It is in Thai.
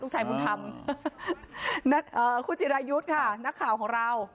ชายบุญธรรมเอ่อคุณจิรายุทธ์ค่ะนักข่าวของเรา